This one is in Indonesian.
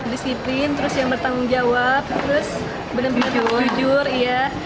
disiplin terus yang bertanggung jawab terus benar benar jujur iya